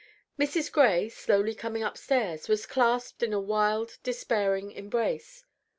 Mrs. Gray, slowly coming upstairs, was clasped in a wild, despairing embrace.